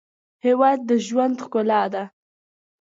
هېواد د ژوند ښکلا ده.